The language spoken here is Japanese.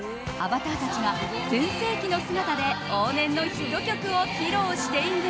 ターたちが、全盛の姿で往年のヒット曲を披露している。